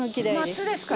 夏ですか。